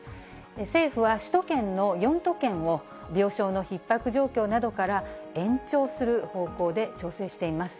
政府は、首都圏の４都県を、病床のひっ迫状況などから延長する方向で調整しています。